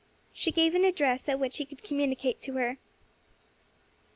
She gave an address at which he could communicate to her.